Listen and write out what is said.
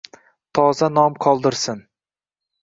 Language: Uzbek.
Toza nom qoldirsin –